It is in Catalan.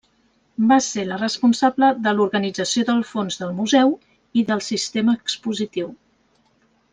Va ser la responsable de l’organització del fons del museu i del sistema expositiu.